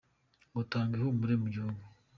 Ngo tanga ihumure mu gihugu !